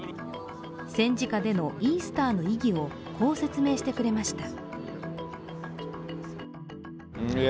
戦時下でのイースターの意義を、こう説明してくれました。